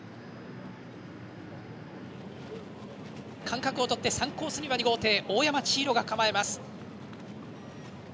間隔を取って３コースには２号艇大山千広が構えます。